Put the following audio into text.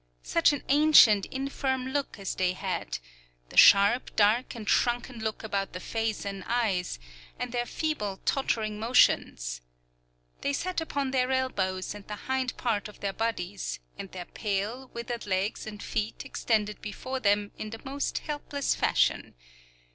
Such an ancient, infirm look as they had, the sharp, dark, and shrunken look about the face and eyes, and their feeble, tottering motions! They sat upon their elbows and the hind part of their bodies, and their pale, withered legs and feet extended before them in the most helpless fashion.